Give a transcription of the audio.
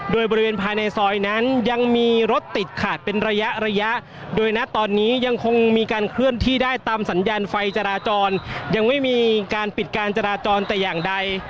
โดยบริเวณภายในซอยนั้นยังมีรถติดขาดเป็นระยะระยะโดยนะตอนนี้ยังคงมีการเคลื่อนที่ได้ตามสัญญาณไฟจราจรยังไม่มีการปิดการจราจรแต่อย่างใด